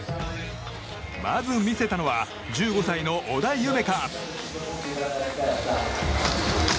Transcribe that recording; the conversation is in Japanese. まず見せたのは１５歳の織田夢海。